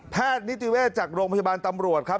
นิติเวศจากโรงพยาบาลตำรวจครับ